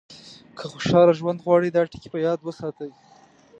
که خوشاله ژوند غواړئ دا ټکي په یاد وساتئ.